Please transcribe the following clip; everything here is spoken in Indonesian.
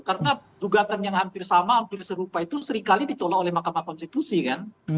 karena tugatan yang hampir sama hampir serupa itu serikali ditolak oleh makam konstitusi kan